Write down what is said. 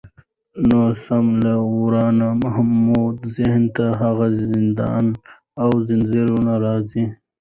نو سم له واره مو ذهن ته هغه زندان او زنځیرونه راځي